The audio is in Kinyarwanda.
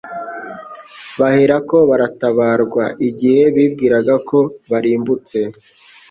baherako baratabarwa. Igihe bibwiraga ko barimbutse,